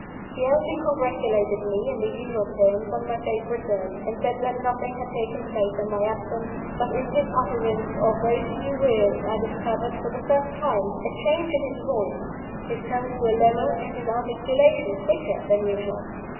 He only congratulated me, in the usual terms, on my safe return; and said that nothing had taken place in my absence but in his utterance of those few words, I discovered, for the first time, a change in his voice: his tones were lower, and his articulation quicker than usual.